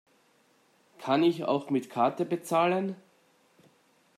Kann ich auch mit Karte bezahlen?